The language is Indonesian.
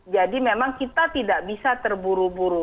jadi memang kita tidak bisa terburu buru